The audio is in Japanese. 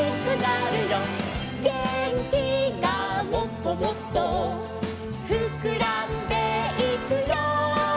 「げんきがもっともっとふくらんでいくよ」